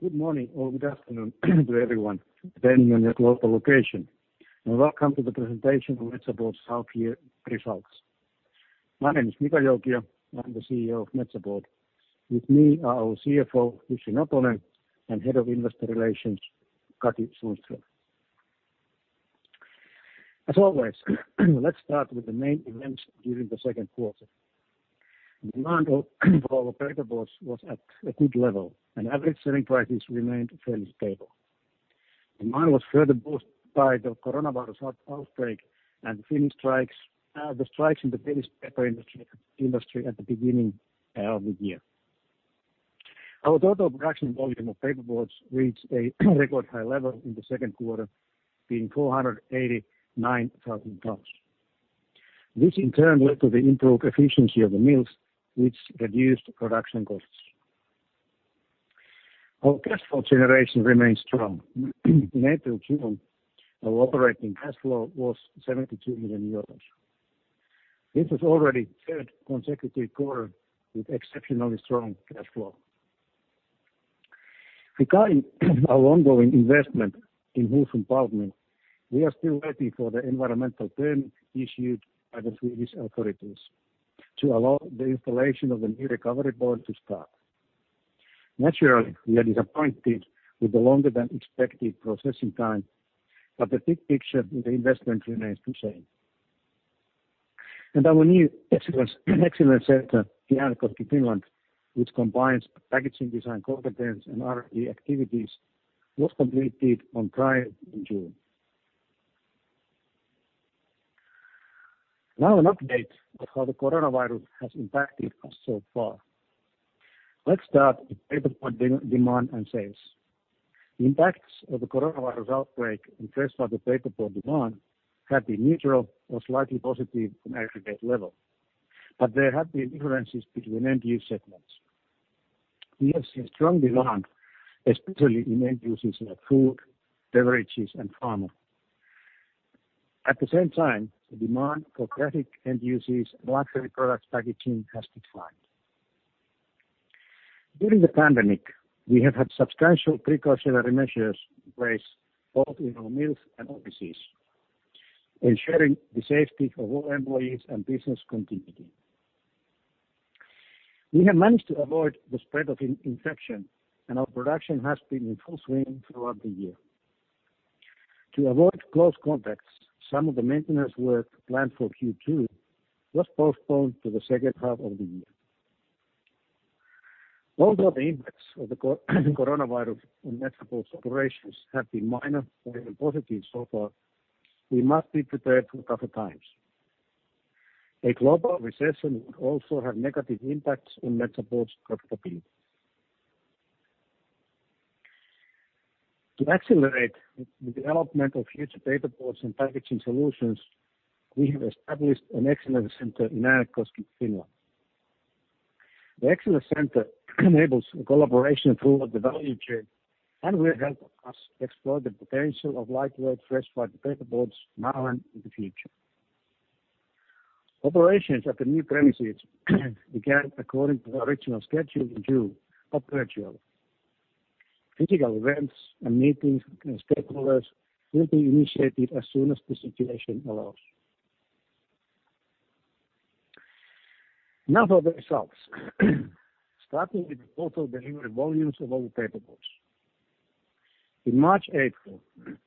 Good morning or good afternoon to everyone, depending on your local location, and welcome to the presentation of Metsä Board's half-year results. My name is Mika Joukio, and I'm the CEO of Metsä Board. With me are our CFO, Jussi Noponen, and Head of Investor Relations, Katri Sundström. As always, let's start with the main events during the second quarter. Demand for our paperboards was at a good level, and average selling prices remained fairly stable. Demand was further boosted by the coronavirus outbreak and the strikes in the British paper industry at the beginning of the year. Our total production volume of paperboards reached a record high level in the second quarter, being 489,000 tons. This, in turn, led to the improved efficiency of the mills, which reduced production costs. Our cash flow generation remained strong. In April-June, our operating cash flow was 72 million euros. This was already the third consecutive quarter with exceptionally strong cash flow. Regarding our ongoing investment in Husum, we are still waiting for the environmental permit issued by the Swedish authorities to allow the installation of the new recovery boiler to start. Naturally, we are disappointed with the longer-than-expected processing time, but the big picture in the investment remains the same, and our new Excellence Centre, Äänekoski, Finland, which combines packaging design competence and R&D activities, was completed on Friday in June. Now, an update of how the coronavirus has impacted us so far. Let's start with paperboard demand and sales. The impacts of the coronavirus outbreak and threats to the paperboard demand have been neutral or slightly positive on an aggregate level, but there have been differences between end-use segments. We have seen strong demand, especially in end-uses like food, beverages, and pharma. At the same time, the demand for graphic end-uses and luxury products packaging has declined. During the pandemic, we have had substantial precautionary measures in place both in our mills and offices, ensuring the safety of all employees and business continuity. We have managed to avoid the spread of infection, and our production has been in full swing throughout the year. To avoid close contacts, some of the maintenance work planned for Q2 was postponed to the second half of the year. Although the impacts of the coronavirus on Metsä Board's operations have been minor or even positive so far, we must be prepared for tougher times. A global recession would also have negative impacts on Metsä Board's profitability. To accelerate the development of future paperboards and packaging solutions, we have established an Excellence Centre in Äänekoski, Finland. The Excellence Centre enables collaboration throughout the value chain, and will help us explore the potential of lightweight fresh-fibre paperboards now and in the future. Operations at the new premises began, according to the original schedule, in June. Operational. Physical events and meetings with stakeholders will be initiated as soon as the situation allows. Now for the results. Starting with the total delivery volumes of all the paperboards. In March-April,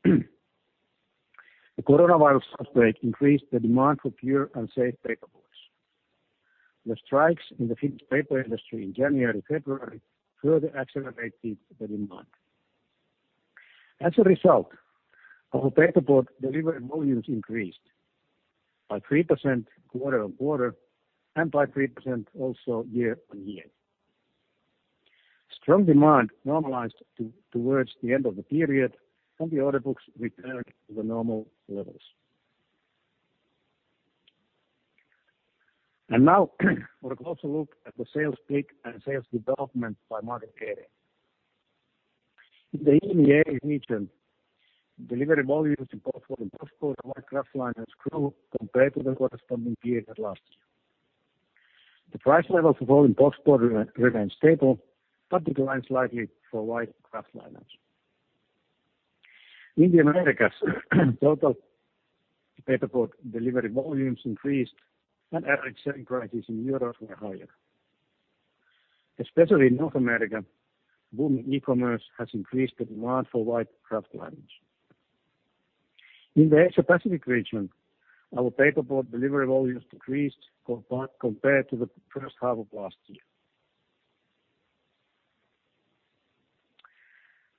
the coronavirus outbreak increased the demand for pure and safe paperboards. The strikes in the Finnish paper industry in January-February further accelerated the demand. As a result, our paperboard delivery volumes increased by 3% quarter-on-quarter and by 3% also year-on-year. Strong demand normalized towards the end of the period, and the order books returned to the normal levels. And now, for a closer look at the sales peak and sales development by market area. In the EMEA region, delivery volumes in both folding boxboard and white kraftliners grew compared to the corresponding period last year. The price levels for folding boxboard remained stable, but declined slightly for white kraftliners. In the Americas, total paperboard delivery volumes increased, and average selling prices in Europe were higher. Especially in North America, booming e-commerce has increased the demand for white kraftliners. In the Asia-Pacific region, our paperboard delivery volumes decreased compared to the first half of last year.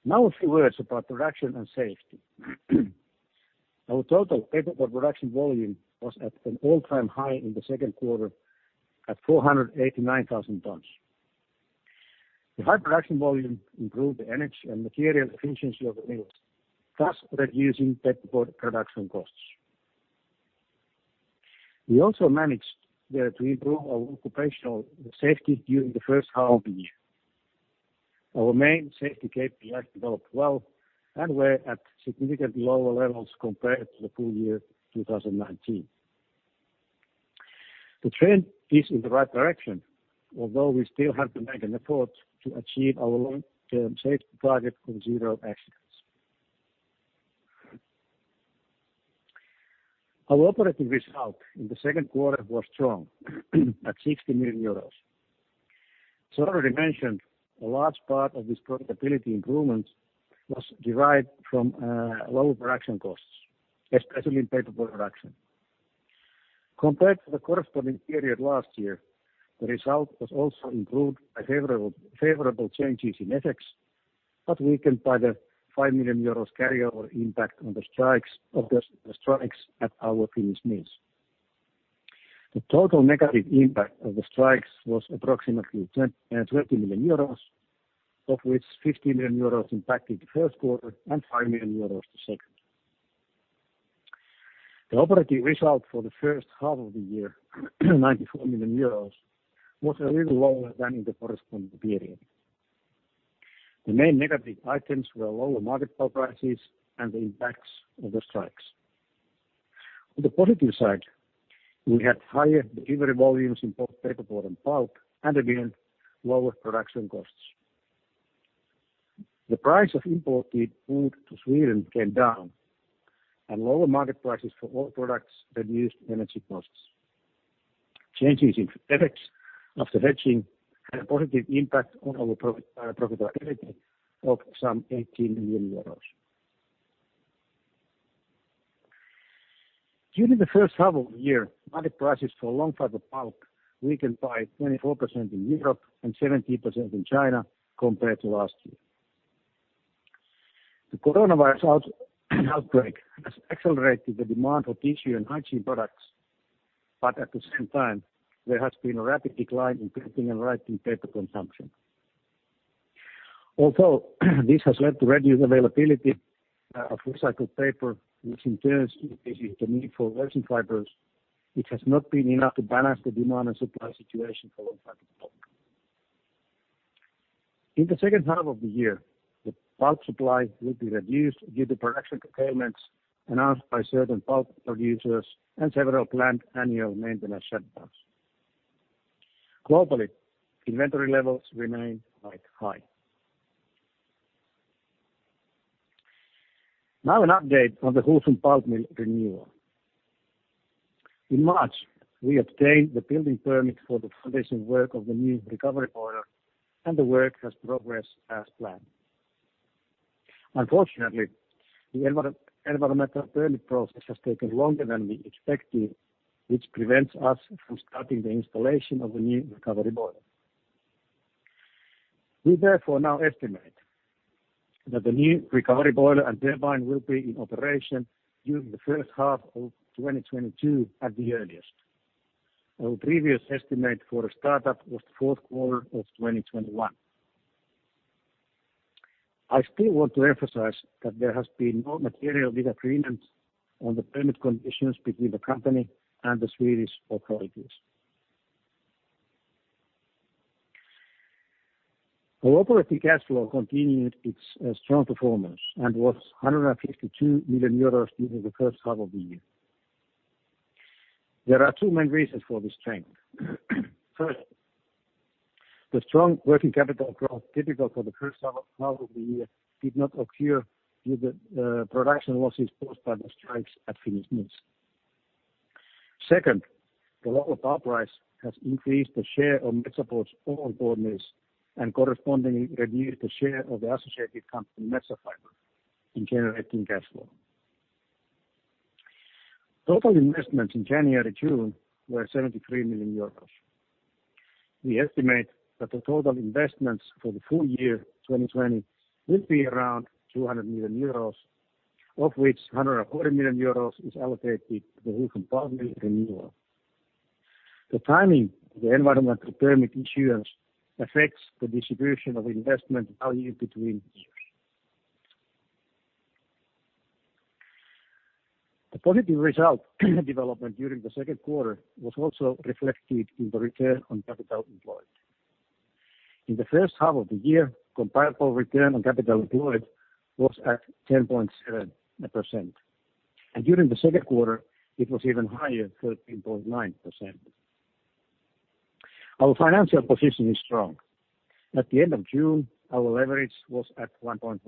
Now, a few words about production and safety. Our total paperboard production volume was at an all-time high in the second quarter, at 489,000 tons. The high production volume improved the energy and material efficiency of the mills, thus reducing paperboard production costs. We also managed to improve our occupational safety during the first half of the year. Our main safety KPIs developed well and were at significantly lower levels compared to the full year 2019. The trend is in the right direction, although we still have to make an effort to achieve our long-term safety target of zero accidents. Our operating result in the second quarter was strong, at 60 million euros. As already mentioned, a large part of this profitability improvement was derived from lower production costs, especially in paperboard production. Compared to the corresponding period last year, the result was also improved by favorable changes in FX, but weakened by the 5 million euros carryover impact from the strikes at our Finnish mills. The total negative impact of the strikes was approximately 20 million euros, of which 50 million euros impacted the first quarter and 5 million euros the second. The operating result for the first half of the year, 94 million euros, was a little lower than in the corresponding period. The main negative items were lower market board prices and the impacts of the strikes. On the positive side, we had higher delivery volumes in both paper board and pulp, and again, lower production costs. The price of imported wood to Sweden came down, and lower market prices for all products reduced energy costs. Changes in FX after hedging had a positive impact on our profitability of some EUR 18 million. During the first half of the year, market prices for long fiber pulp weakened by 24% in Europe and 70% in China compared to last year. The coronavirus outbreak has accelerated the demand for tissue and hygiene products, but at the same time, there has been a rapid decline in printing and writing paper consumption. Although this has led to reduced availability of recycled paper, which in turn increases the need for virgin fibers, it has not been enough to balance the demand and supply situation for long fiber pulp. In the second half of the year, the pulp supply will be reduced due to production curtailments announced by certain pulp producers and several planned annual maintenance shutdowns. Globally, inventory levels remain quite high. Now, an update on the Husum renewal. In March, we obtained the building permit for the foundation work of the new recovery boiler, and the work has progressed as planned. Unfortunately, the environmental permit process has taken longer than we expected, which prevents us from starting the installation of the new recovery boiler. We therefore now estimate that the new recovery boiler and turbine will be in operation during the first half of 2022 at the earliest. Our previous estimate for a startup was the fourth quarter of 2021. I still want to emphasize that there has been no material disagreement on the permit conditions between the company and the Swedish authorities. Our operating cash flow continued its strong performance and was 152 million euros during the first half of the year. There are two main reasons for this trend. First, the strong working capital growth typical for the first half of the year did not occur due to the production losses caused by the strikes at Finnish mills. Second, the lower pulp price has increased the share of Metsä Board's own board mills and correspondingly reduced the share of the associated company, Metsä Fibre, in generating cash flow. Total investments in January-June were 73 million euros. We estimate that the total investments for the full year 2020 will be around 200 million euros, of which 140 million euros is allocated to the Husum renewal. The timing of the environmental permit issuance affects the distribution of investment value between years. The positive result development during the second quarter was also reflected in the return on capital employed. In the first half of the year, comparable return on capital employed was at 10.7%, and during the second quarter, it was even higher, 13.9%. Our financial position is strong. At the end of June, our leverage was at 1.1,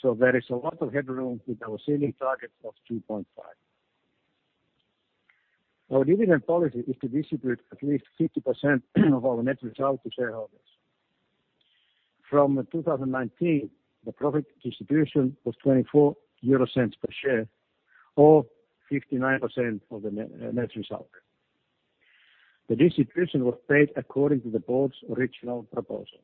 so there is a lot of headroom with our ceiling target of 2.5. Our dividend policy is to distribute at least 50% of our net result to shareholders. From 2019, the profit distribution was 0.24 per share, or 59% of the net result. The distribution was paid according to the board's original proposal.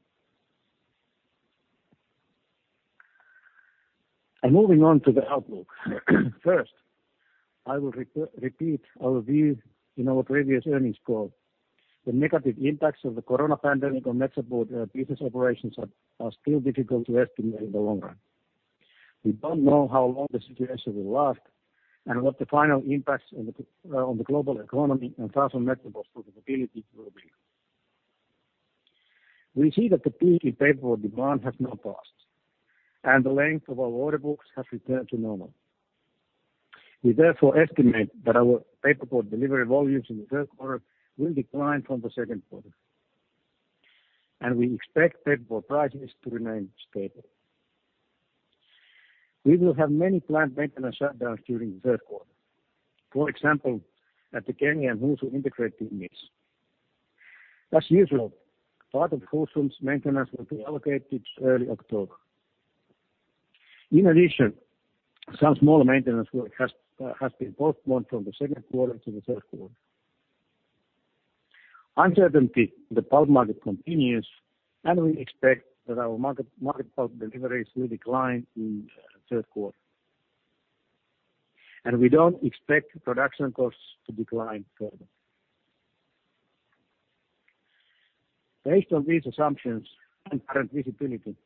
Moving on to the outlook. First, I will repeat our view in our previous earnings call. The negative impacts of the corona pandemic on Metsä Board business operations are still difficult to estimate in the long run. We don't know how long the situation will last and what the final impacts on the global economy and thus on Metsä Board's profitability will be. We see that the peak in paperboard demand has now passed, and the length of our order books has returned to normal. We therefore estimate that our paperboard delivery volumes in the third quarter will decline from the second quarter, and we expect paperboard prices to remain stable. We will have many planned maintenance shutdowns during the third quarter, for example, at the Kemi and Husum integrated mills. As usual, part of Husum's maintenance will be allocated early October. In addition, some smaller maintenance work has been postponed from the second quarter to the third quarter. Uncertainty in the pulp market continues, and we expect that our market pulp deliveries will decline in the third quarter, and we don't expect production costs to decline further. Based on these assumptions and current visibility,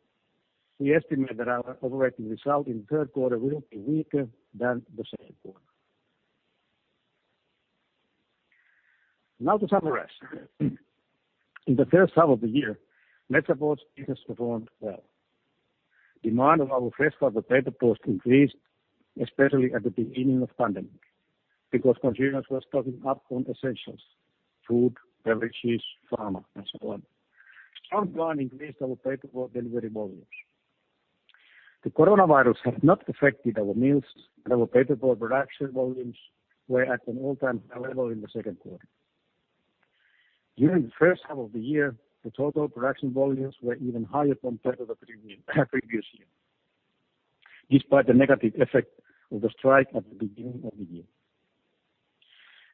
we estimate that our operating result in the third quarter will be weaker than the second quarter. Now, to summarize. In the first half of the year, Metsä Board's business performed well. Demand of our fresh fibre paperboards increased, especially at the beginning of the pandemic, because consumers were stocking up on essentials: food, beverages, pharma, and so on. Strong demand increased our paperboard delivery volumes. The coronavirus has not affected our mills, and our paperboard production volumes were at an all-time high level in the second quarter. During the first half of the year, the total production volumes were even higher compared to the previous year, despite the negative effect of the strike at the beginning of the year.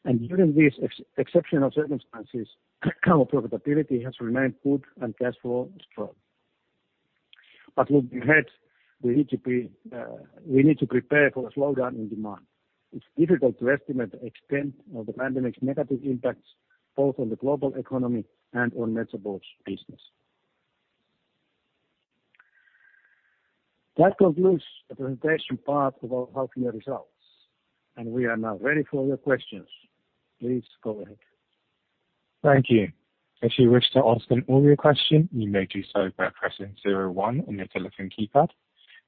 And during these exceptional circumstances, our profitability has remained good and cash flow strong. But looking ahead, we need to prepare for a slowdown in demand. It's difficult to estimate the extent of the pandemic's negative impacts both on the global economy and on Metsä Board's business. That concludes the presentation part of our half-year results, and we are now ready for your questions. Please go ahead. Thank you. If you wish to ask an earlier question, you may do so by pressing zero one on your telephone keypad.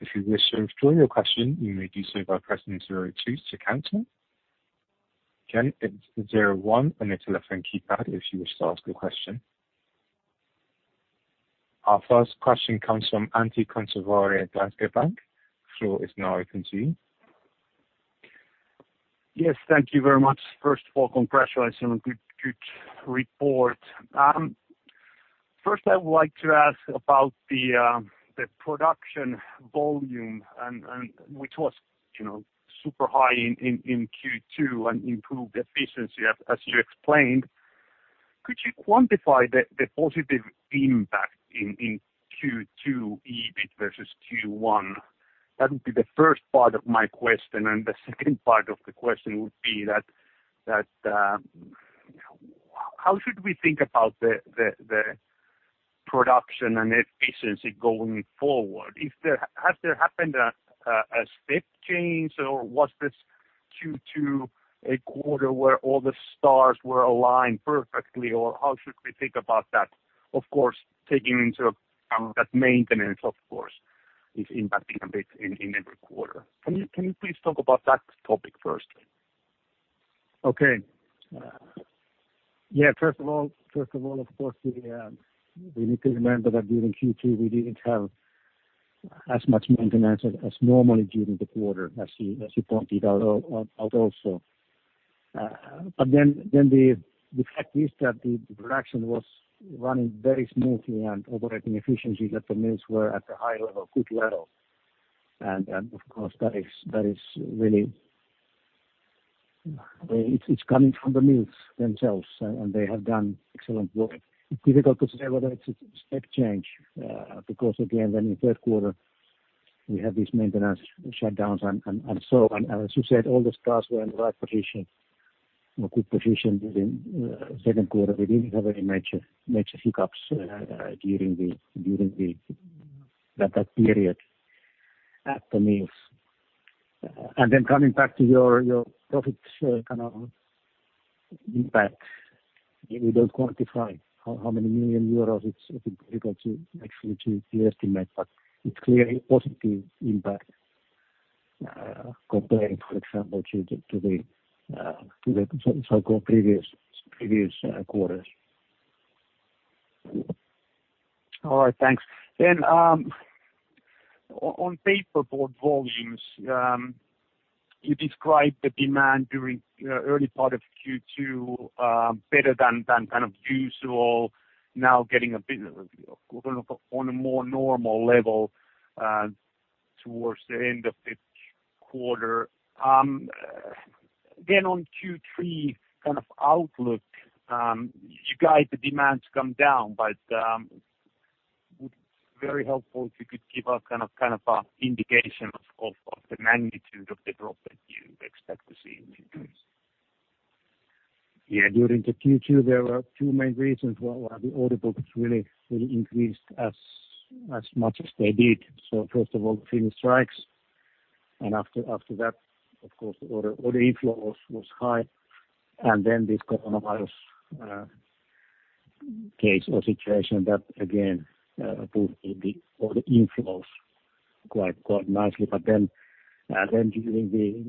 If you wish to withdraw your question, you may do so by pressing zero two to cancel. Again, it's zero one on your telephone keypad if you wish to ask a question. Our first question comes from Antti Koskivuo at Danske Bank. Floor is now open to you. Yes, thank you very much. First, for congratulations on a good report. First, I would like to ask about the production volume, which was super high in Q2 and improved efficiency, as you explained. Could you quantify the positive impact in Q2 EBIT versus Q1? That would be the first part of my question, and the second part of the question would be that how should we think about the production and efficiency going forward? Has there happened a step change, or was this Q2 a quarter where all the stars were aligned perfectly, or how should we think about that? Of course, taking into account that maintenance, of course, is impacting a bit in every quarter. Can you please talk about that topic first? Okay. Yeah, first of all, of course, we need to remember that during Q2, we didn't have as much maintenance as normally during the quarter, as you pointed out also. But then the fact is that the production was running very smoothly and operating efficiently, that the mills were at a high level, good level. And of course, that is really it's coming from the mills themselves, and they have done excellent work. It's difficult to say whether it's a step change, because again, then in third quarter, we had these maintenance shutdowns and so on. As you said, all the stars were in the right position or good position during the second quarter. We didn't have any major hiccups during that period at the mills. And then, coming back to your profit kind of impact, we don't quantify how many million EUR. It's difficult to actually estimate, but it's clearly a positive impact compared, for example, to the so-called previous quarters. All right, thanks. Then on paperboard volumes, you described the demand during the early part of Q2 better than kind of usual, now getting a bit on a more normal level towards the end of the quarter. Then on Q3 kind of outlook, you guide the demand to come down, but it would be very helpful if you could give us kind of an indication of the magnitude of the drop that you expect to see in the future. Yeah, during the Q2, there were two main reasons why the order books really increased as much as they did. First of all, the Finnish strikes, and after that, of course, the order inflow was high. And then this coronavirus case or situation that again boosted the order inflows quite nicely. But then during the,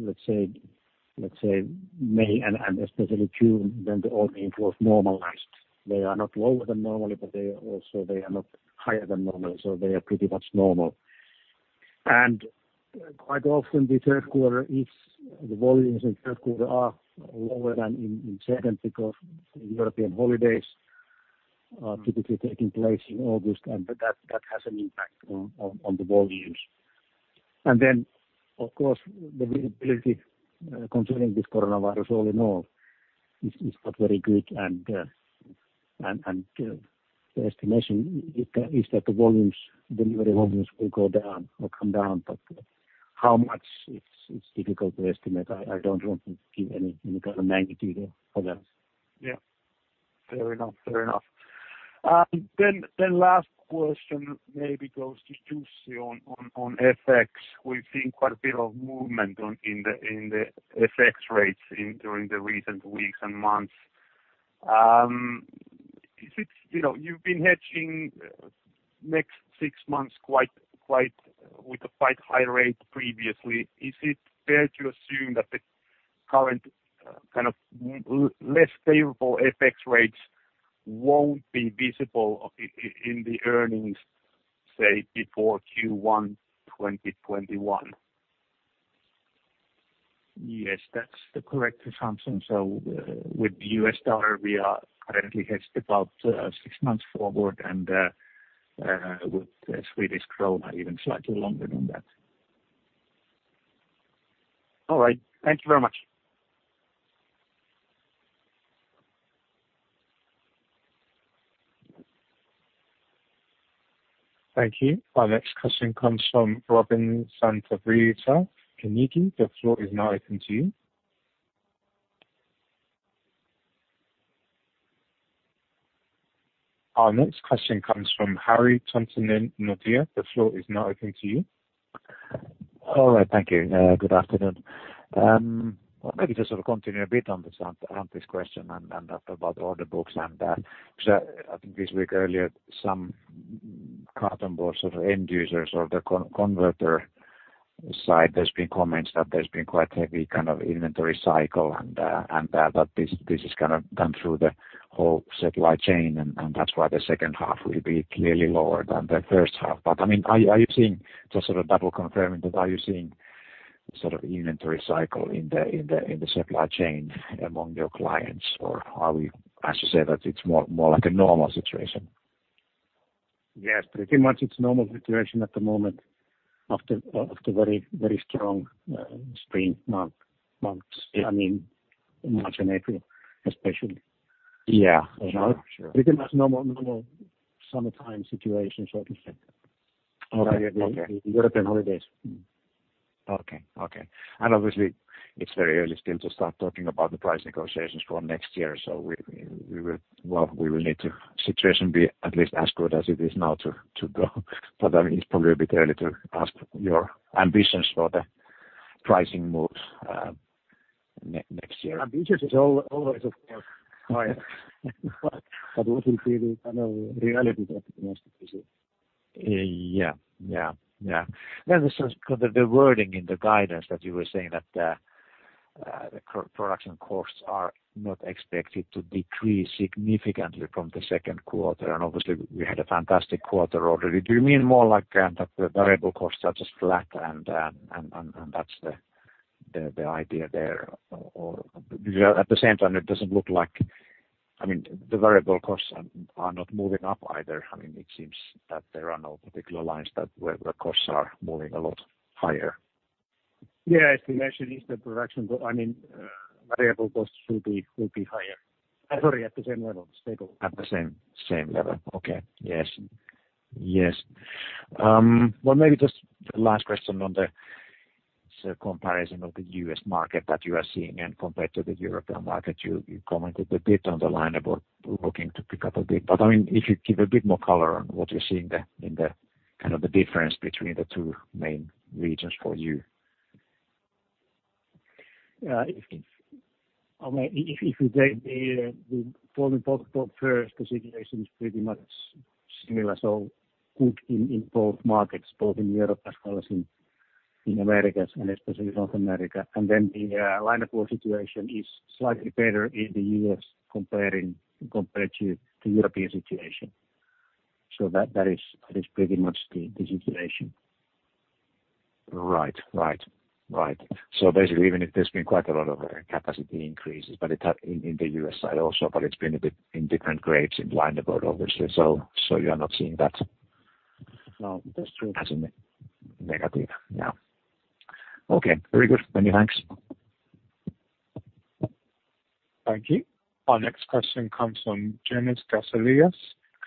let's say, May and especially June, then the order inflows normalized. They are not lower than normal, but also they are not higher than normal, so they are pretty much normal. And quite often, the third quarter, the volumes in the third quarter are lower than in second because the European holidays are typically taking place in August, and that has an impact on the volumes. And then, of course, the visibility concerning this coronavirus all in all is not very good, and the estimation is that the volumes, delivery volumes will go down or come down, but how much, it's difficult to estimate. I don't want to give any kind of magnitude for that. Yeah, fair enough, fair enough. Then last question maybe goes to Jussi on FX. We've seen quite a bit of movement in the FX rates during the recent weeks and months. You've been hedging next six months with a quite high rate previously. Is it fair to assume that the current kind of less favorable FX rates won't be visible in the earnings, say, before Q1 2021? Yes, that's the correct assumption. So with the US dollar, we are currently hedged about six months forward, and with the Swedish krona even slightly longer than that. All right, thank you very much. Thank you. Our next question comes from Robin Santavirta. The floor is now open to you. Our next question comes from Harri Taittonen. The floor is now open to you. All right, thank you. Good afternoon. Well, maybe just sort of continuing a bit on this question and about order books, because I think this week earlier, some card and board sort of end users or the converter side, there's been comments that there's been quite heavy kind of inventory cycle and that this is kind of done through the whole supply chain, and that's why the second half will be clearly lower than the first half. But I mean, are you seeing just sort of double confirming that are you seeing sort of inventory cycle in the supply chain among your clients, or are we, as you said, that it's more like a normal situation? Yes, pretty much it's a normal situation at the moment after very, very strong spring months, I mean, March and April especially. Yeah, sure. Pretty much normal summertime situation, so to speak, the European holidays. Okay, okay. And obviously, it's very early still to start talking about the price negotiations for next year, so we will need the situation to be at least as good as it is now to go. But I mean, it's probably a bit early to ask your ambitions for the pricing moves next year. Ambitions is always of course higher, but what will be the kind of reality that we must be seeing? Yeah, yeah, yeah. Then the wording in the guidance that you were saying that the production costs are not expected to decrease significantly from the second quarter, and obviously, we had a fantastic quarter already. Do you mean more like that the variable costs are just flat and that's the idea there, or at the same time, it doesn't look like I mean, the variable costs are not moving up either. I mean, it seems that there are no particular lines that were the costs are moving a lot higher. Yeah, estimation is the production goal I mean, variable costs should be higher. Sorry, at the same level, stable. At the same level. Okay, yes, yes. Well, maybe just the last question on the comparison of the U.S. market that you are seeing and compared to the European market. You commented a bit on the linerboard looking to pick up a bit, but I mean, if you give a bit more color on what you're seeing in the kind of the difference between the two main regions for you. I mean, if we take the folding boxboard first, the situation is pretty much similar, so good in both markets, both in Europe as well as in America, and especially North America. And then the linerboard situation is slightly better in the U.S. compared to the European situation. So that is pretty much the situation. Right, right, right. So basically, even if there's been quite a lot of capacity increases, but in the U.S. side also, but it's been a bit in different grades in linerboard obviously, so you are not seeing that. No, that's true. As in negative. Yeah. Okay, very good. Many thanks. Thank you. Our next question comes from Johannes Grunselius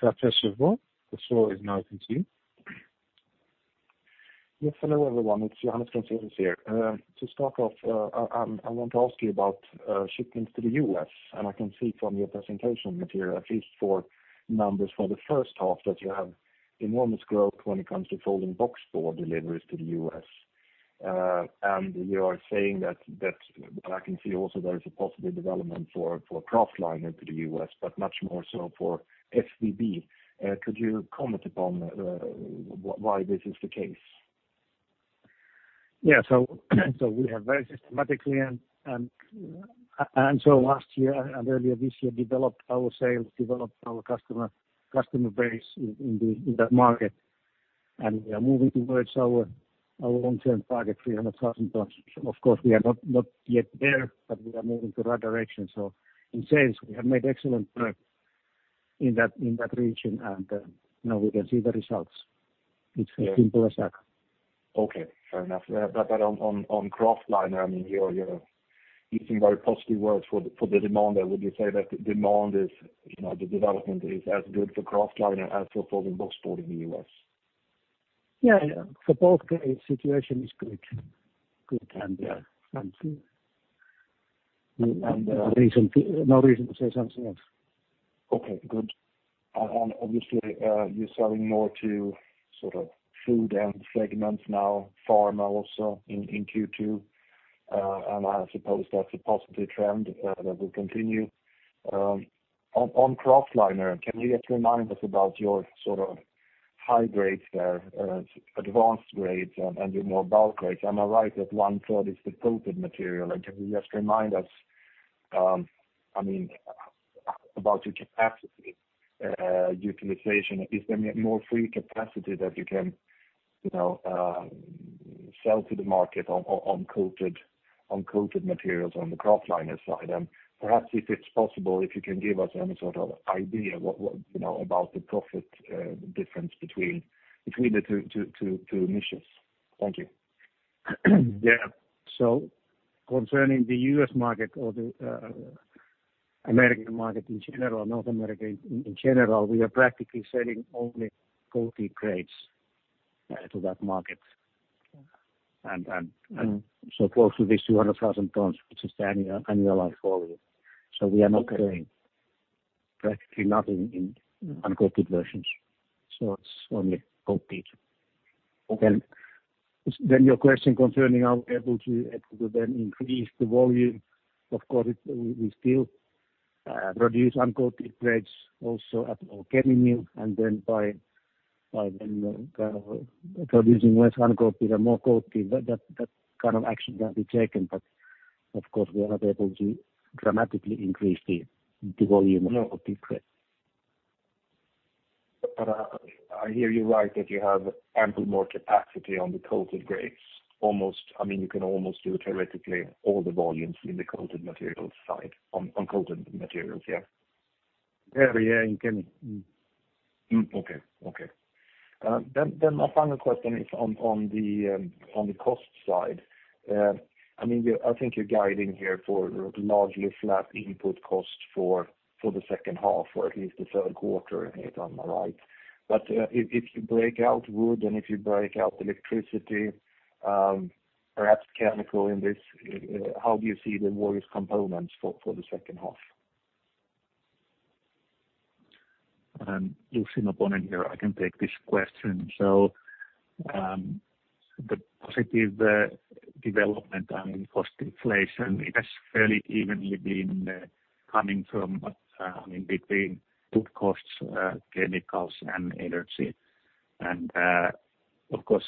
of Kepler Cheuvreux. The floor is now open to you. Yes, hello everyone. It's Johannes Grunselius here. To start off, I want to ask you about shipments to the U.S., and I can see from your presentation material, at least for numbers for the first half, that you have enormous growth when it comes to folding boxboard deliveries to the U.S. You are saying that I can see also there is a possible development for kraftliner into the U.S., but much more so for FBB. Could you comment upon why this is the case? Yeah, so we have very systematically and so last year and earlier this year developed our sales, developed our customer base in that market, and we are moving towards our long-term target, 300,000 tons. Of course, we are not yet there, but we are moving to that direction. In sales, we have made excellent work in that region, and now we can see the results. It's as simple as that. Okay, fair enough. On kraftliner, I mean, you're using very positive words for the demand there. Would you say that the demand is the development is as good for kraftliner as for folding boxboard in the U.S.? Yeah, for both cases, the situation is good. Good, and no reason to say something else. Okay, good, and obviously, you're selling more to sort of food and segments now, pharma also in Q2, and I suppose that's a positive trend that will continue. On kraftliner, can you just remind us about your sort of high grades there, advanced grades, and your more bulk grades? Am I right that one-third is the coated material? And can you just remind us, I mean, about your capacity utilization? Is there more free capacity that you can sell to the market on coated materials on the kraftliner side? And perhaps if it's possible, if you can give us any sort of idea about the profit difference between the two niches. Thank you. Yeah, so concerning the U.S. market or the American market in general, North America in general, we are practically selling only coated grades to that market and so close to these 200,000 tons, which is the annual volume, so we are not selling practically nothing in uncoated versions, so it's only pulp, then your question concerning how able to then increase the volume, of course, we still produce uncoated grades also at our Kemi, and then by producing less uncoated and more coated, that kind of action can be taken, but of course, we are not able to dramatically increase the volume of coated grade, but I hear you right that you have ample more capacity on the coated grades. I mean, you can almost do theoretically all the volumes in the coated materials side, uncoated materials, yeah? Very, yeah, in Kemi. Okay, okay. Then my final question is on the cost side. I mean, I think you're guiding here for largely flat input costs for the second half or at least the third quarter, if I'm right. But if you break out wood and if you break out electricity, perhaps chemical in this, how do you see the worst components for the second half? Jussi Noponen here. I can take this question. So the positive development, I mean, cost inflation has fairly evenly been coming from, I mean, between wood costs, chemicals, and energy. And of course,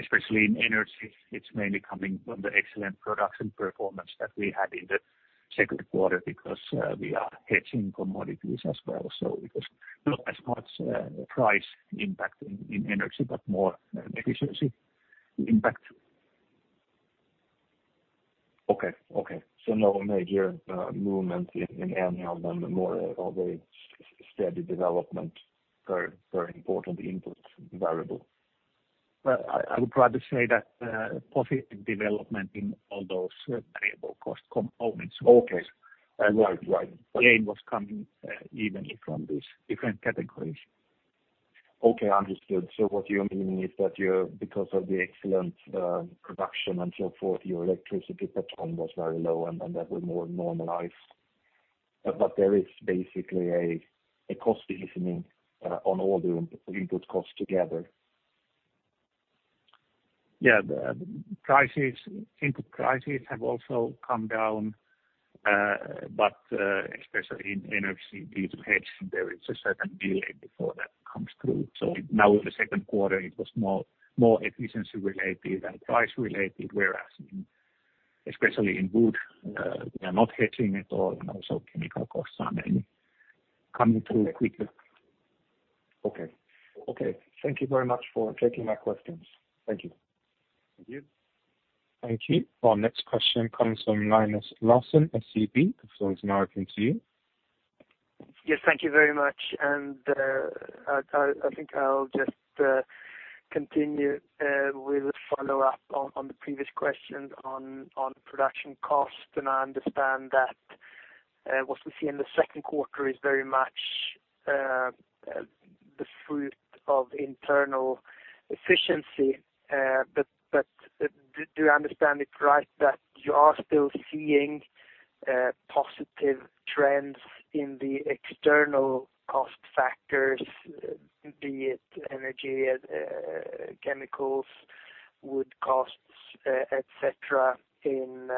especially in energy, it's mainly coming from the excellent production performance that we had in the second quarter because we are hedging commodities as well. So it was not as much price impact in energy, but more efficiency impact. Okay, okay. So, no major movement in annual than more of a steady development for important input variable. Well, I would rather say that positive development in all those variable cost components. Okay, right, right. The gain was coming evenly from these different categories. Okay, understood. So, what you're meaning is that because of the excellent production and so forth, your electricity per ton was very low and that will more normalize. But there is basically a cost deficit on all the input costs together. Yeah, input prices have also come down, but especially in energy due to hedging, there is a certain delay before that comes through. So now in the second quarter, it was more efficiency related and price related, whereas especially in wood, we are not hedging at all, and also chemical costs are mainly coming through quickly. Okay, okay. Thank you very much for taking my questions. Thank you. Thank you. Thank you. Our next question comes from Linus Larsson, SEB. The floor is now open to you. Yes, thank you very much. And I think I'll just continue with a follow-up on the previous question on production costs. And I understand that what we see in the second quarter is very much the fruit of internal efficiency. But do I understand it right that you are still seeing positive trends in the external cost factors, be it energy, chemicals, wood costs, etc., in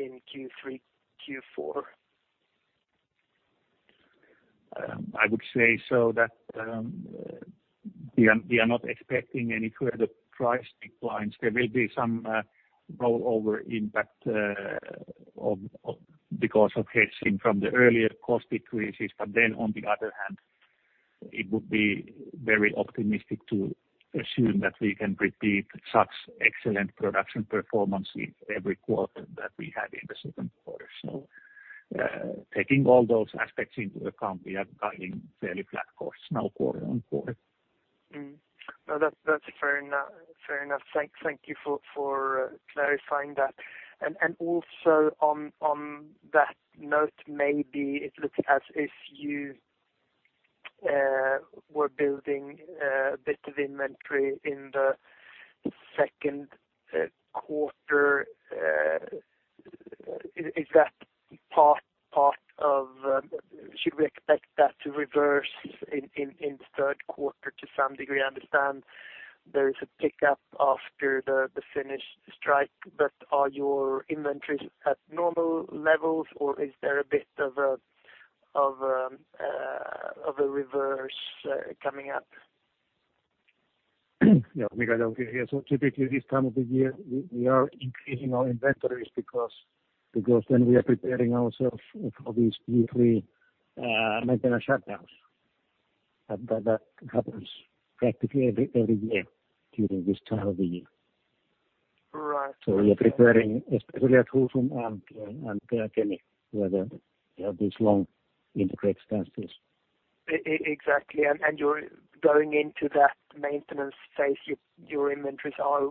Q3, Q4? I would say so that we are not expecting any further price declines. There will be some rollover impact because of hedging from the earlier cost decreases. But then on the other hand, it would be very optimistic to assume that we can repeat such excellent production performance in every quarter that we had in the second quarter. So taking all those aspects into account, we are guiding fairly flat costs now quarter on quarter. No, that's fair enough. Thank you for clarifying that. And also on that note, maybe it looks as if you were building a bit of inventory in the second quarter. Is that part of should we expect that to reverse in the third quarter to some degree? I understand there is a pickup after the Finnish strike, but are your inventories at normal levels, or is there a bit of a reverse coming up? Yeah, I mean, I don't think it is. So typically this time of the year, we are increasing our inventories because then we are preparing ourselves for these weekly maintenance shutdowns. That happens practically every year during this time of the year. So we are preparing, especially at Husum and Kemi, where there are these long integrated maintenance. Exactly. You're going into that maintenance phase, your inventories are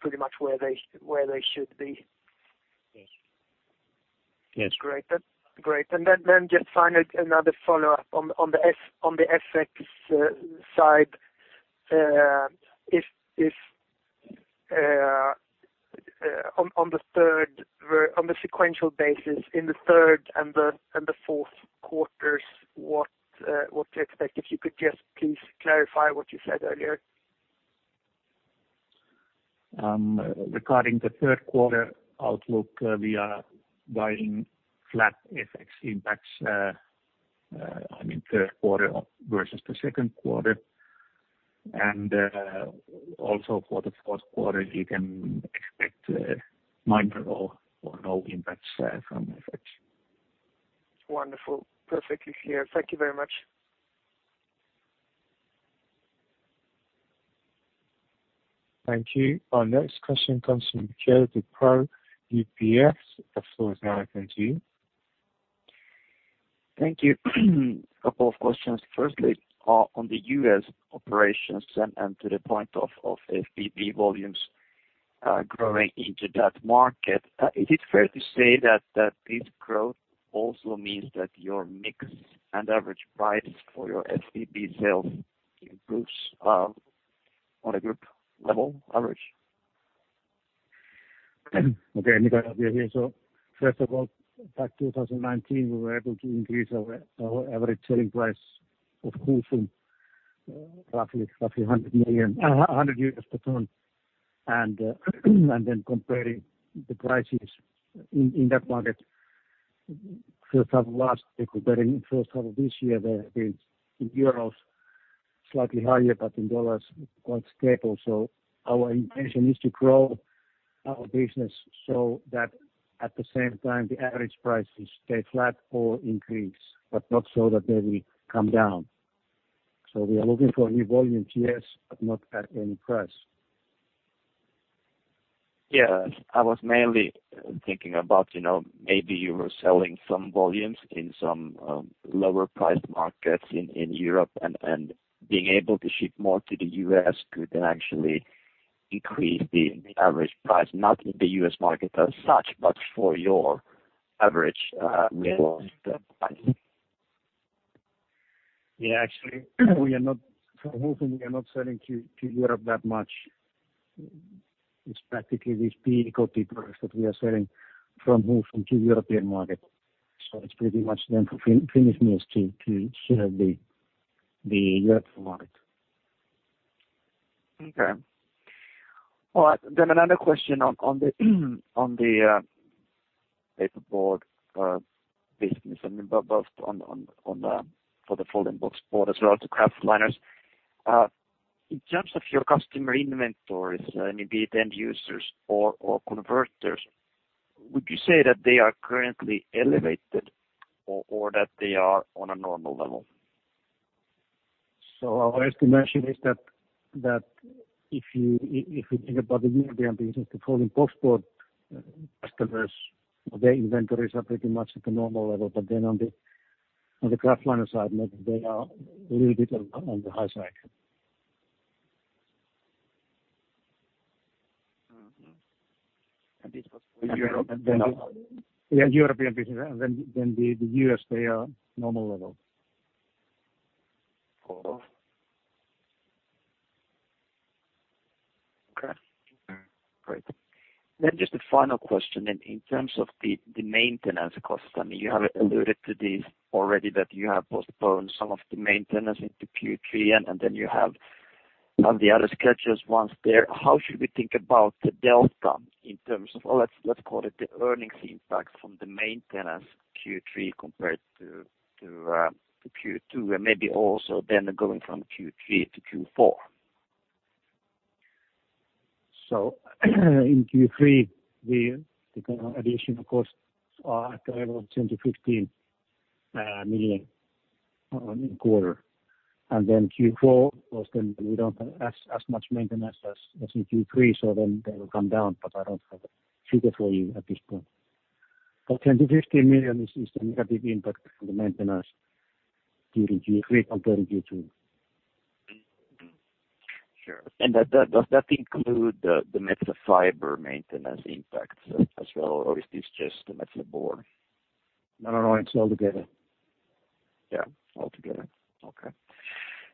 pretty much where they should be. Yes. Yes. Great. And then just final another follow-up on the FX side. On the sequential basis, in the third and the fourth quarters, what do you expect? If you could just please clarify what you said earlier. Regarding the third quarter outlook, we are guiding flat FX impacts, I mean, third quarter versus the second quarter. And also for the fourth quarter, you can expect minor or no impacts from FX. Wonderful. Perfectly clear. Thank you very much. Thank you. Our next question comes from Mikael Doepel, UBS. The floor is now open to you. Thank you. A couple of questions. Firstly, on the U.S. operations and to the point of FBB volumes growing into that market, is it fair to say that this growth also means that your mix and average price for your FBB sales improves on a group level average? Okay, I'll be here. So first of all, back in 2019, we were able to increase our average selling price of FBB roughly 100, $100 per ton. And then comparing the prices in that market, first half of last year, first half of this year, they have been in euros, slightly higher, but in dollars, quite stable. So our intention is to grow our business so that at the same time, the average prices stay flat or increase, but not so that they will come down. So we are looking for new volumes, yes, but not at any price. Yeah, I was mainly thinking about maybe you were selling some volumes in some lower-priced markets in Europe and being able to ship more to the US could actually increase the average price, not in the US market as such, but for your average realized price. Yeah, actually, for Husum, we are not selling to Europe that much. It's practically these FBB and coated products that we are selling from Husum to the European market. So it's pretty much then for finished meals to serve the European market. Okay. All right. Then another question on the paperboard business, and both for the folding boxboard as well as the kraftliners. In terms of your customer inventories, be it end users or converters, would you say that they are currently elevated or that they are on a normal level? So our estimation is that if you think about the European business, the folding boxboard customers, their inventories are pretty much at a normal level. But then on the kraftliner side, they are a little bit on the high side. And this was for Europe? Yeah, European business. And then the U.S., they are normal level. Okay. Great. Then just a final question. In terms of the maintenance costs, I mean, you have alluded to this already that you have postponed some of the maintenance into Q3, and then you have the other schedules once there. How should we think about the delta in terms of, let's call it the earnings impact from the maintenance Q3 compared to Q2, and maybe also then going from Q3 to Q4? So in Q3, the additional costs are at the level of 10 million-15 million in quarter. And then Q4, of course, then we don't have as much maintenance as in Q3, so then they will come down, but I don't have a figure for you at this point. But 10 million-15 million is the negative impact on the maintenance during Q3 compared to Q2. Sure. And does that include the Metsä Fibre maintenance impacts as well, or is this just the Metsä Board? No, no, no. It's all together. Yeah, all together. Okay.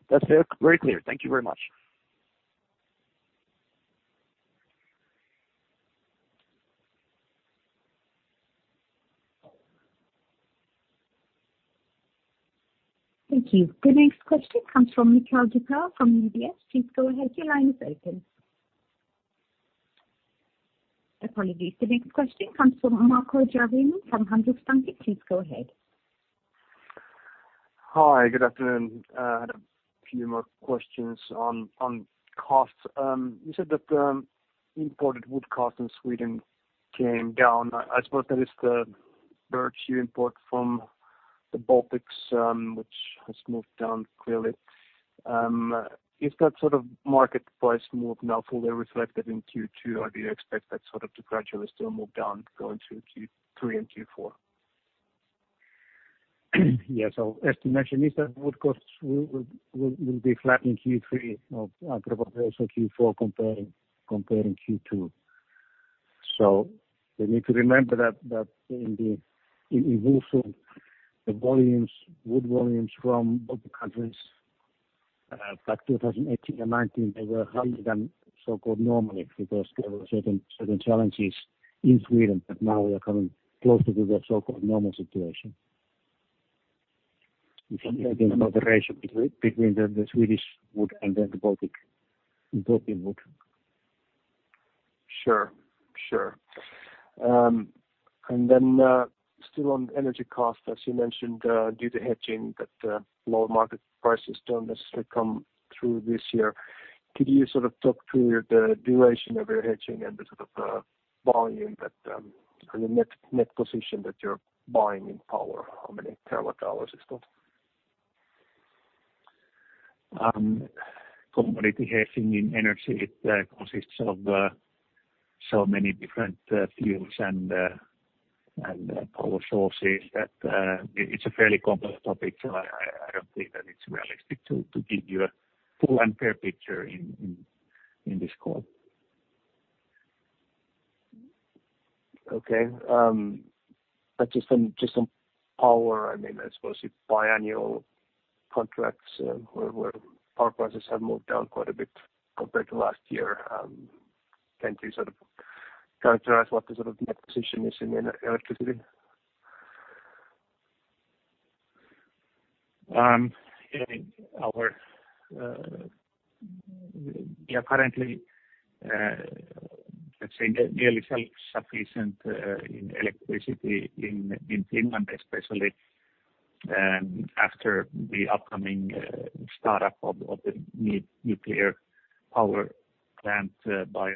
That's very clear. Thank you very much. Thank you. The next question comes from Mikael Doepel from UBS. Please go ahead. Your line is open. Apologies. The next question comes from Markku Järvinen from Handelsbanken. Please go ahead. Hi, good afternoon. I had a few more questions on costs. You said that imported wood costs in Sweden came down. I suppose that is the. Pulp you import from the Baltics, which has moved down clearly. Is that sort of market price move now fully reflected in Q2, or do you expect that sort of to gradually still move down going to Q3 and Q4? Yes. So estimation is that wood costs will be flat in Q3, or probably also Q4 comparing Q2. So we need to remember that in Husum, the wood volumes from both countries back in 2018 and 2019, they were higher than the so-called normal because there were certain challenges in Sweden. But now we are coming closer to the so-called normal situation. It's a bigger moderation between the Swedish wood and then the Baltic wood. Sure, sure. Then still on energy costs, as you mentioned, due to hedging, that low market prices don't necessarily come through this year. Could you sort of talk through the duration of your hedging and the sort of volume that or the net position that you're buying in power? How many terawatt hours is that? Completely hedging in energy, it consists of so many different fuels and power sources that it's a fairly complex topic, so I don't think that it's realistic to give you a full and clear picture in this call. Okay. But just on power, I mean, I suppose biannual contracts where power prices have moved down quite a bit compared to last year. Can you sort of characterize what the sort of net position is in electricity? Currently, let's say, nearly self-sufficient in electricity in Finland, especially after the upcoming startup of the new nuclear power plant by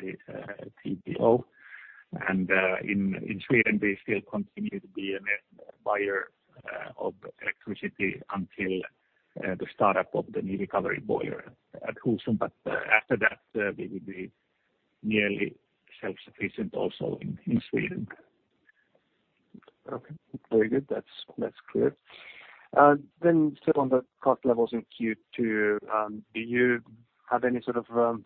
TVO. And in Sweden, we still continue to be a buyer of electricity until the startup of the new recovery boiler at Husum. But after that, we will be nearly self-sufficient also in Sweden. Okay. Very good. That's clear. Then still on the cost levels in Q2, do you have any sort of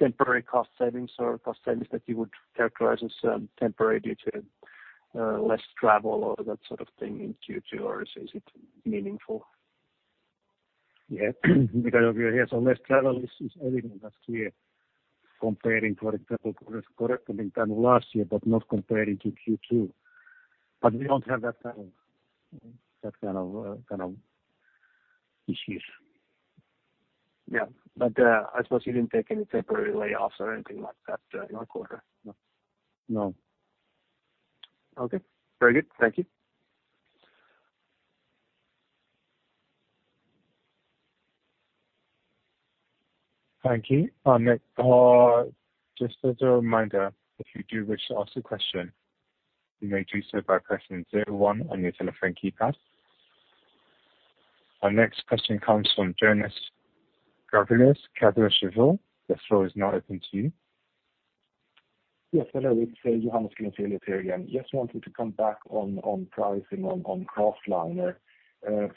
temporary cost savings or cost savings that you would characterize as temporary due to less travel or that sort of thing in Q2, or is it meaningful? Yeah. We can all be here. So less travel is evident. That's clear. Comparing, for example, corresponding time last year, but not comparing to Q2. But we don't have that kind of issues. Yeah. But I suppose you didn't take any temporary layoffs or anything like that in that quarter? No. No. Okay. Very good. Thank you. Thank you. Just as a reminder, if you do wish to ask a question, you may do so by pressing zero one on your telephone keypad. Our next question comes from Johannes Grunselius, Kepler Cheuvreux. The floor is now open to you. Yes, hello. It's Johannes Grunselius here again. Just wanted to come back on pricing on kraftliner.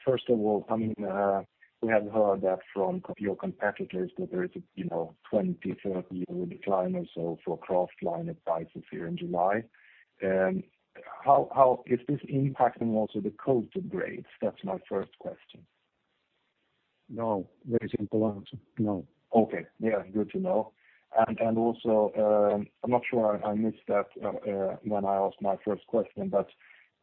First of all, I mean, we have heard that from your competitors that there is a 20%-30% decline, or so, for kraftliner prices here in July. Is this impacting also the coated grades? That's my first question. No. Very simple answer. No. Okay. Yeah. Good to know. And also, I'm not sure I missed that when I asked my first question, but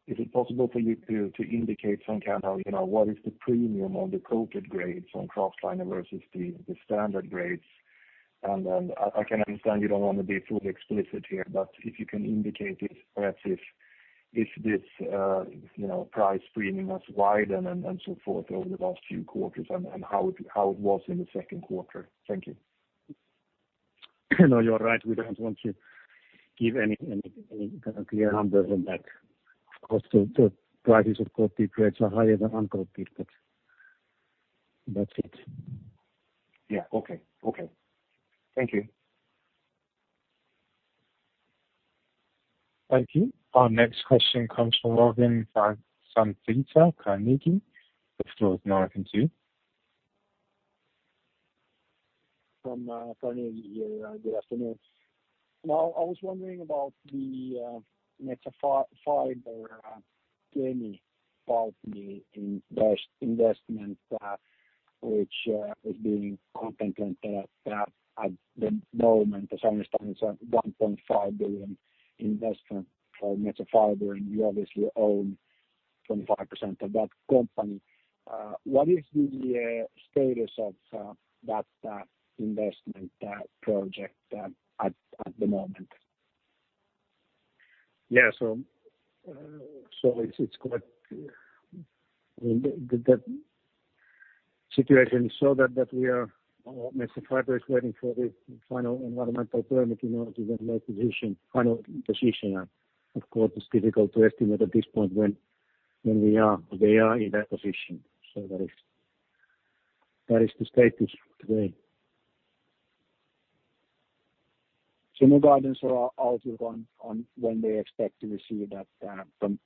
is it possible for you to indicate somehow what is the premium on the coated grades on kraftliner versus the standard grades? And I can understand you don't want to be fully explicit here, but if you can indicate it, perhaps if this price premium has widened and so forth over the last few quarters and how it was in the second quarter. Thank you. No, you're right. We don't want to give any kind of clear numbers on that. Of course, the prices of coated grades are higher than uncoated, but that's it. Yeah. Okay. Okay. Thank you. Thank you. Our next question comes from Robin Santavirta, Carnegie. The floor is now open to you. From Johannes Grunselius. Good afternoon. I was wondering about the Metsä Fibre Kemi pulp mill investment, which is being contemplated at the moment, as I understand, is a 1.5 billion investment for Metsä Fibre, and you obviously own 25% of that company. What is the status of that investment project at the moment? Yeah. So it's quite, I mean, the situation is so that we are Metsä Fibre is waiting for the final environmental permit in order to get the final decision. Of course, it's difficult to estimate at this point when they are in that position. That is the status today. No guidance or outlook on when they expect to receive that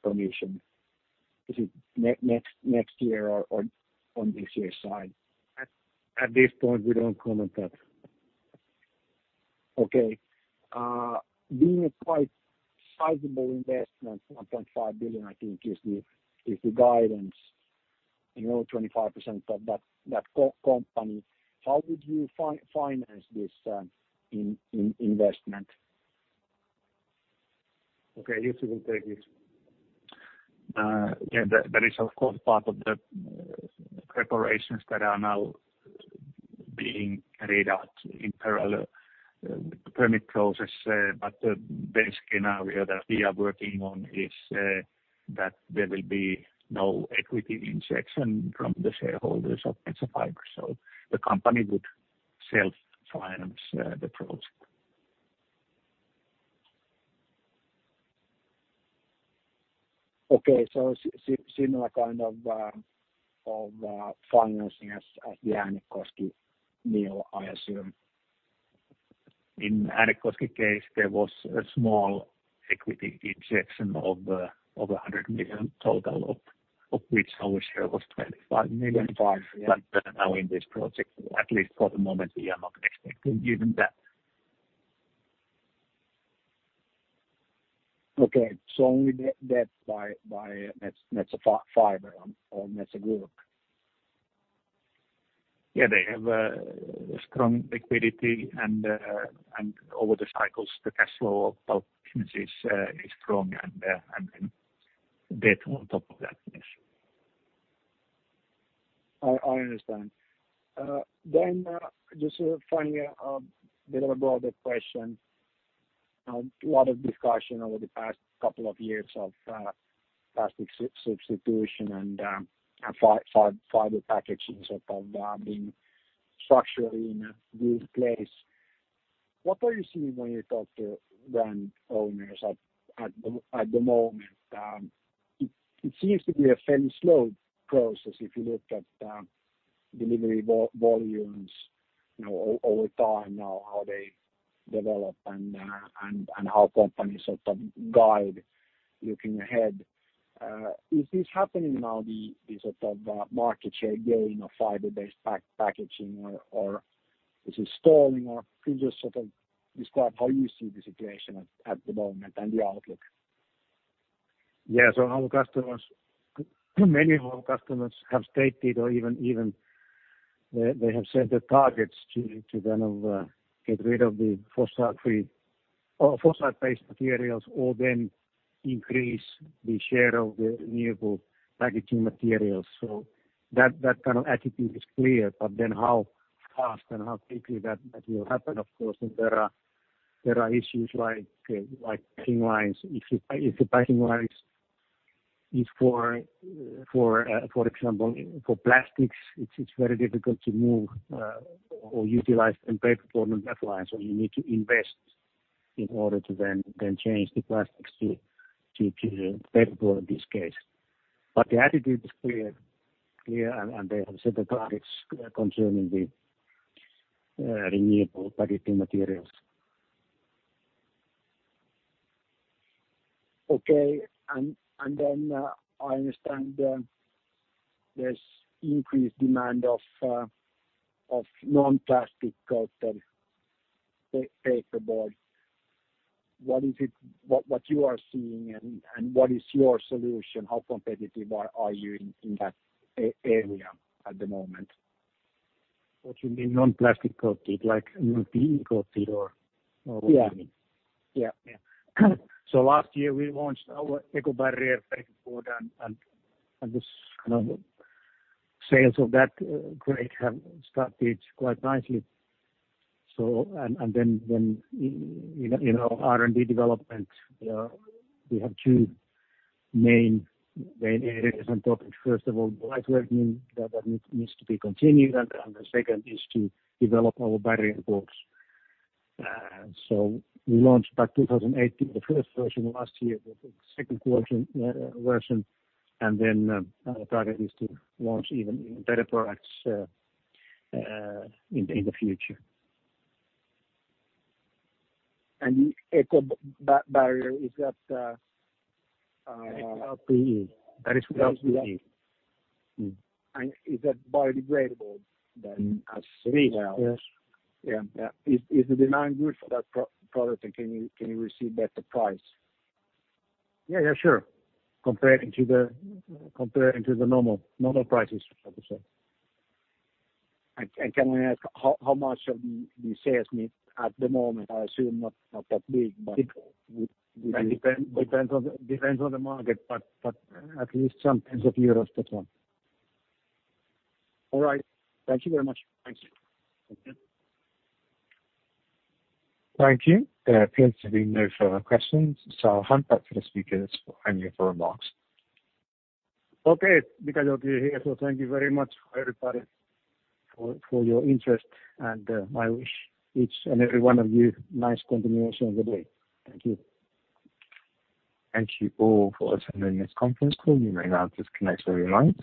permission. Is it next year or on this year's side? At this point, we don't comment that. Okay. Being a quite sizable investment, 1.5 billion, I think, is the guidance, 25% of that company. How would you finance this investment? Okay. You two will take it. Yeah. That is, of course, part of the preparations that are now being carried out in parallel with the permit process. But the base scenario that we are working on is that there will be no equity injection from the shareholders of Metsä Fibre. So the company would self-finance the project. Okay. So similar kind of financing as the Äänekoski mill, I assume. In Äänekoski case, there was a small equity injection of 100 million total, of which our share was 25 million. But now in this project, at least for the moment, we are not expecting even that. Okay. So only that by Metsä Fibre or Metsä Board? Yeah. They have strong liquidity, and over the cycles, the cash flow of business is strong, and then debt on top of that, yes. I understand. Then just finally, a bit of a broader question. A lot of discussion over the past couple of years of plastic substitution and fiber packaging sort of being structurally in a good place. What are you seeing when you talk to brand owners at the moment? It seems to be a fairly slow process if you look at delivery volumes over time now, how they develop, and how companies sort of guide looking ahead. Is this happening now, the sort of market share gain of fiber-based packaging, or is it stalling, or could you just sort of describe how you see the situation at the moment and the outlook? Yeah. So many of our customers have stated, or even they have set the targets to kind of get rid of the plastic-based materials or then increase the share of the renewable packaging materials. So that kind of attitude is clear. But then how fast and how quickly that will happen, of course, there are issues like packaging lines. If the packing line is, for example, for plastics, it's very difficult to move or utilize them paperboard and glass lines, so you need to invest in order to then change the plastics to paperboard in this case, but the attitude is clear, and they have set the targets concerning the renewable packaging materials. Okay, and then I understand there's increased demand of non-plastic coated paperboard. What is it what you are seeing, and what is your solution? How competitive are you in that area at the moment? What do you mean non-plastic coated, like non-film coated, or what do you mean? Yeah. Yeah, so last year, we launched our eco-barrier paperboard, and the sales of that grade have started quite nicely, and then R&D development, we have two main areas and topics. First of all, the lightweighting that needs to be continued, and the second is to develop our barrier boards. So we launched back in 2018 the first version, last year with the second version. And then our target is to launch even better products in the future. And the eco-barrier, is that LDPE? That is LDPE. Is that biodegradable then as well? Yeah. Is the demand good for that product, and can you receive better price? Yeah. Yeah. Sure. Compared to the normal prices, like I said. And can I ask how much are the sales at the moment? I assume not that big, but it would depend on the market, but at least tens of millions of EUR, that's all. All right. Thank you very much. Thank you. Thank you. Thank you. There appears to be no further questions. So I'll hand back to the speakers for any of the remarks. Okay. It's good to be here. So thank you very much, everybody, for your interest. And I wish each and every one of you nice continuation of the day. Thank you. Thank you all for attending this conference call. You may now disconnect for a moment.